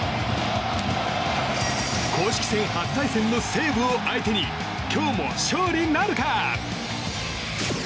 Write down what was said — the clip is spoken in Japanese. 公式戦初対戦の西武を相手に今日も勝利なるか？